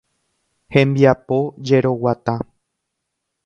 Hembiapo jeroguata.